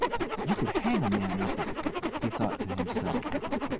"You could hang a man with it," he thought to himself.